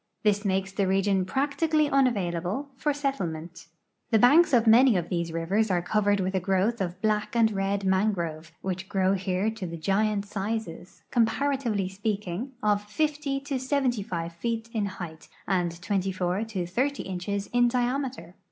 This makes the region practically unavailable for settlement. The hanks of many of these rivers are covered with a growth of black and red mangrove, which grow here to the giant sizes, comparatively speaking, of 50 to 75 feet in height and 24 to ffO inches in diame ter.